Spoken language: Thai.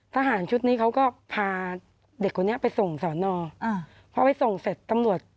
ทหารชุดนี้เขาก็พาเด็กคนนี้ไปส่งสอนออ่าพอไปส่งเสร็จตำรวจ